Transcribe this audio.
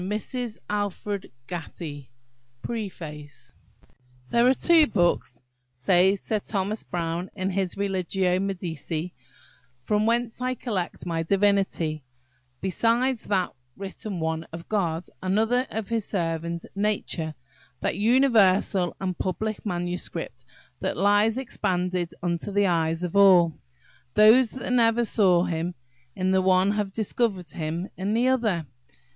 GATTY T. Nelson & Sons PREFACE "THERE are two books," says Sir Thomas Browne, in his Religio Medici, "from whence I collect my divinity; besides that written one of God, another of his servant, Nature–that universal and public manuscript that lies expanded unto the eyes of all: those that never saw Him in the one have discovered Him in the other."